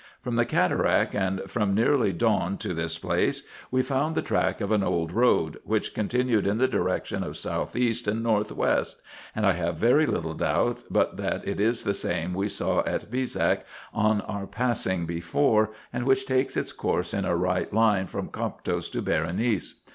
From the cataract, and nearly down to IN EGYPT, NUBIA, &c. 345 this place, we found the track of an old road, which continued in the direction of south east and north west, and I have very little doubt but that it is the same we saw at Bezack on our passing before, and which takes its course in a right line from Coptos to Berenice.